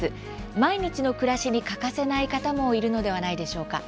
毎日の暮らしに欠かせない方もいるのではないでしょうか。